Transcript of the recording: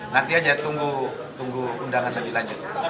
nanti aja tunggu undangan lebih lanjut